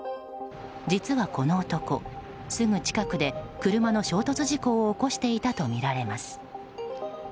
実はこの男すぐ近くで車の衝突事故を起こしていたとみられます。